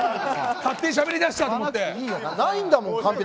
勝手にしゃべりだしたと思って。